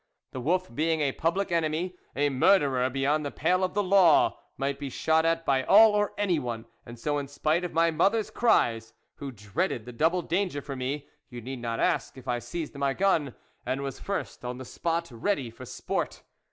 The wolf, being a public enemy, a mur derer beyond the pale of the law, might be shot at by all or anyone, and so, in spite of my mother's cries, who dreaded the double danger for me, you need not ask if I seized my gun, and was first on the spot ready for sport.